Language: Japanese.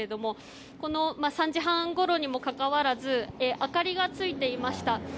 ３時半ごろにもかかわらず明かりがついていました。